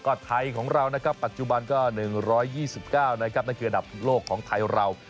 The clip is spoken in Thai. ก็ไทยของเรานะครับปัจจุบันก็๑๒๙นะครับนั่นคืออันดับโลกของไทยเรา